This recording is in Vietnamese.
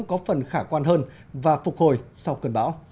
có phần khả quan hơn và phục hồi sau cơn bão